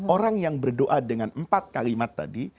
orang yang berdoa dengan empat kalimat tadi